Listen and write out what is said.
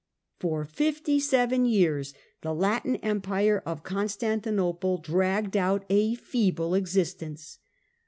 For fifty seven The years the Latin Empire of Constantinople dragged out a of EpSus feeble existence.